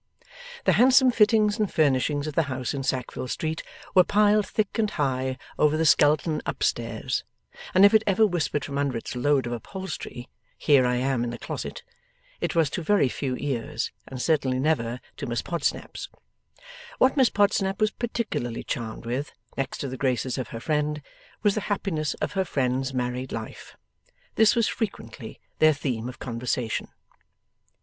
The handsome fittings and furnishings of the house in Sackville Street were piled thick and high over the skeleton up stairs, and if it ever whispered from under its load of upholstery, 'Here I am in the closet!' it was to very few ears, and certainly never to Miss Podsnap's. What Miss Podsnap was particularly charmed with, next to the graces of her friend, was the happiness of her friend's married life. This was frequently their theme of conversation.